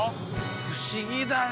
不思議だね。